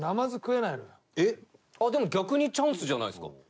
あっでも逆にチャンスじゃないですか？